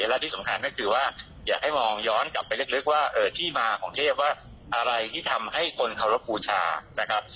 และที่สำคัญก็คือว่าอยากให้มองย้อนกลับไปลึกว่าที่มาของเทพว่าอะไรที่ทำให้คนเคารพบูชานะครับ